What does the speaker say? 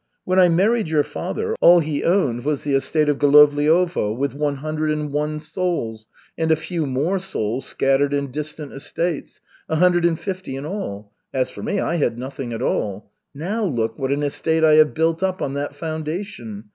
When I married your father, all he owned was the estate of Golovliovo with one hundred and one souls, and a few more souls scattered in distant estates, a hundred and fifty in all. As for me, I had nothing at all. Now look what an estate I have built up on that foundation.